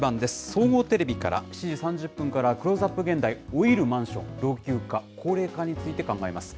総合テレビから、７時３０分からはクローズアップ現代、老いるマンション老朽化、高齢化について考えます。